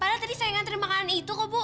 padahal tadi saya ngantri makanan itu kok bu